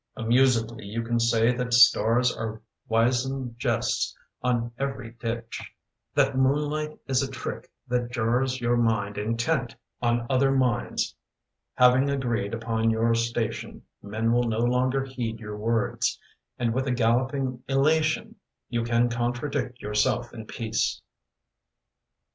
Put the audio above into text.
Amusedly, you can say that stars Are wizened jests on every ditch; That moon light is a trick that jars Your mind intent on other minds. Having agreed upon your station, Men will no longer heed your words, And with a galloping elation You can contradict yourself in peace.